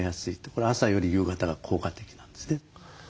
これは朝より夕方が効果的なんですね。